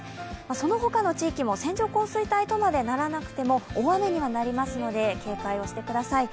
そのほかの地域でも線状降水帯とまではならなくても大雨にはなりますので、警戒をしてください。